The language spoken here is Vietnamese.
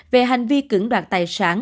về hành vi cứng đoạt tài sản